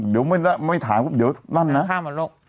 เดี๋ยวไม่ถ่างเดี๋ยวลั่นนะข้ามไว้ละลุก